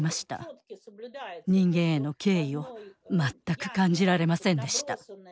人間への敬意を全く感じられませんでした。